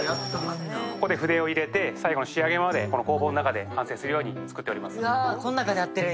筆を入れて、最後の仕上げまで工房の中で完成するように作っております。